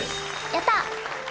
やった。